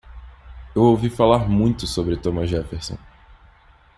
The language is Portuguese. Eu ouvir falar muito sobre Thomas Jefferson.